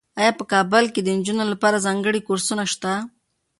ایا په کابل کې د نجونو لپاره ځانګړي کورسونه شته؟